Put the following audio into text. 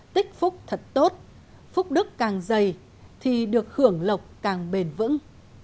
thật tốt phúc đức càng dày thì được hưởng lộc càng bền vững